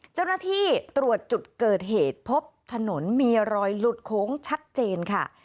เจ้าหน้าที่ตรวจจุดเกิดเหตุพบถนนมีรอยหลุดโค้งชัดเจนค่ะ